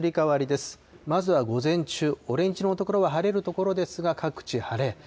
まずは午前中、オレンジ色の所は晴れる所ですが、各地晴れ。